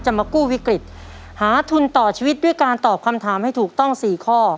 มากู้วิกฤตหาทุนต่อชีวิตด้วยการตอบคำถามให้ถูกต้อง๔ข้อ